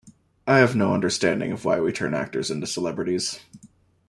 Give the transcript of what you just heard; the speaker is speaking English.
I have no understanding of why we turn actors into celebrities.